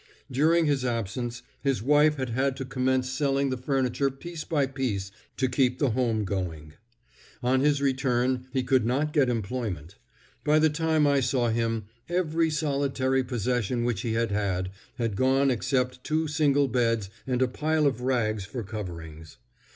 During his absence, his wife had had to commence selling the furniture piece by piece to keep the home going. On his return he could not get employment. By the time I saw him every solitary possession which he had had, had gone except two single beds and a pile of rags for coverings.